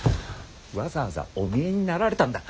わざわざお見えになられたんだ。